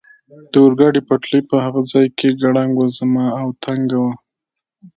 د اورګاډي پټلۍ په هغه ځای کې ګړنګ وزمه او تنګه وه.